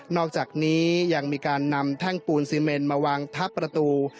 อกจากนี้ยังมีการนำแท่งปูนซีเมนมาวางทับประตู